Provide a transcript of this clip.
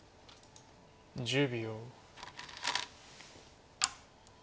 １０秒。